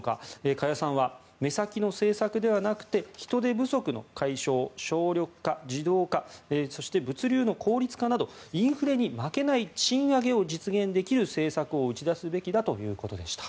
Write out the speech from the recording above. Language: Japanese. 加谷さんは目先の政策ではなくて人手不足の解消省力化、自動化そして、物流の効率化などインフレに負けない賃上げを実現できる政策を打ち出すべきだということでした。